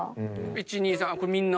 １２３これみんな？